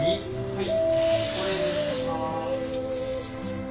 はい。